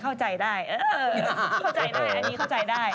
เข้าใจได้อันนี้เข้าใจได้